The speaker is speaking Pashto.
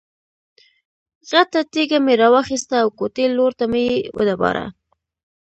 غټه تیږه مې را واخیسته او کوټې لور ته مې یې وډباړه.